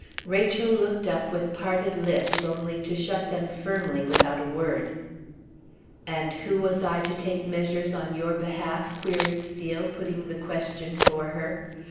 Rachel looked up with parted lips, only to shut them firmly without a word. "And who was I to take measures on your behalf?" queried Steel, putting the question for her.